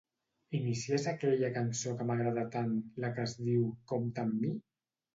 Inicies aquella cançó que m'agrada tant, la que es diu "Compta amb mi"?